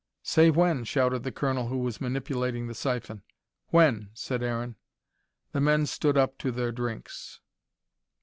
"Say when," shouted the Colonel, who was manipulating the syphon. "When," said Aaron. The men stood up to their drinks.